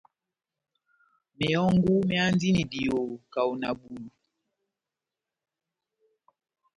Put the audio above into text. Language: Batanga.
Mehɔngu méhandini diyoho kahá na bulu.